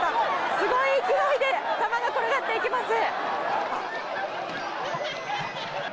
すごい勢いで玉が転がっていきます。